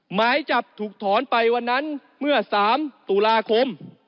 หมายจับถูกถอนไปวันนั้นเมื่อ๓ตุลาคม